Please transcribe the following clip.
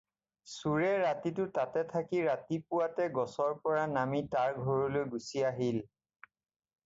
চোৰে ৰাতিটো তাতে থাকি ৰাতিপুৱাতে গছৰ পৰা নামি তাৰ ঘৰলৈ গুচি আহিল।